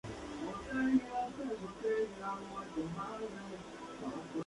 Su álbum debut fue grabado en Brixton.